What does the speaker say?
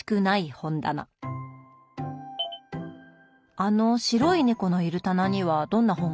あの白い猫のいる棚にはどんな本が？